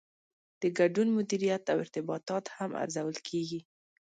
د ګډون مدیریت او ارتباطات هم ارزول کیږي.